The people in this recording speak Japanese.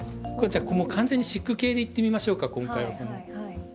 もう完全にシック系でいってみましょうか今回は。